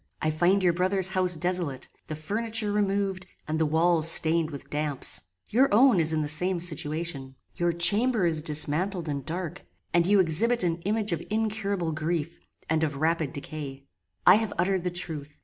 I find your brother's house desolate: the furniture removed, and the walls stained with damps. Your own is in the same situation. Your chamber is dismantled and dark, and you exhibit an image of incurable grief, and of rapid decay. "I have uttered the truth.